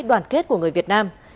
đoàn kết của người việt nam